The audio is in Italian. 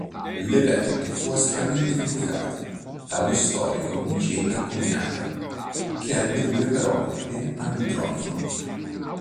L'evento fu aspramente criticato dallo storico Niceta Coniata, che ebbe dure parole per Andronico.